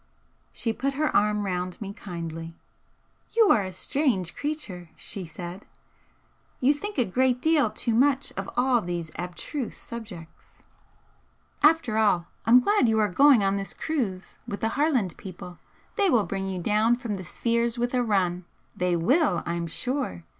She put her arm round me kindly. "You are a strange creature!" she said "You think a great deal too much of all these abstruse subjects. After all, I'm glad you are going on this cruise with the Harland people. They will bring you down from the spheres with a run! They will, I'm sure!